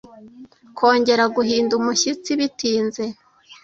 kongera guhinda umushyitsi bitinze